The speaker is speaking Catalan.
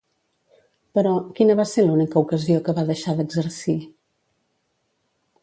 Però, quina va ser l'única ocasió que va deixar d'exercir?